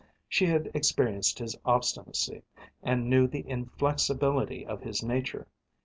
She had experienced his obstinacy, and knew the inflexibility of his nature.